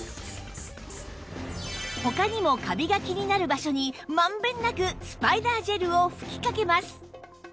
他にもカビが気になる場所に満遍なくスパイダージェルを吹きかけます